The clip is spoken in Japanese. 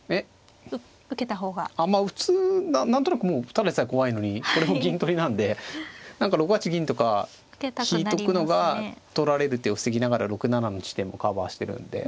普通何となくもうただでさえ怖いのにこれも銀取りなんで何か６八銀とか引いとくのが取られる手を防ぎながら６七の地点もカバーしてるんで。